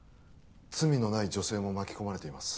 罪のない女性も巻き込まれています